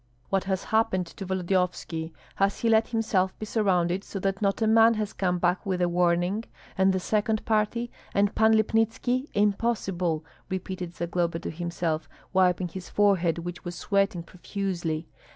"What has happened to Volodyovski? Has he let himself be surrounded, so that not a man has come back with a warning? And the second party? And Pan Lipnitski? Impossible!" repeated Zagloba to himself, wiping his forehead, which was sweating profusely.